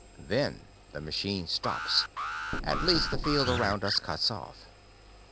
Then the machine stops at least, the field around us cuts off.